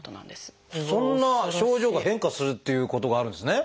そんな症状が変化するっていうことがあるんですね。